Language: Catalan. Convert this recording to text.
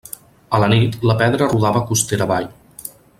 A la nit, la pedra rodava costera avall.